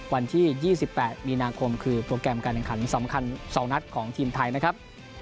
วันที่๒๘มีนาคมคือโปรแกรมการแข่งขันสำคัญ๒นัดของทีมไทยนะครับ